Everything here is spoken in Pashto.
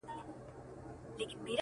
• دا به څوک وي چي ستا مخي ته درېږي,